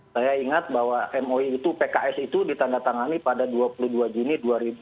saya ingat bahwa mou itu pks itu ditandatangani pada dua puluh dua juni dua ribu dua puluh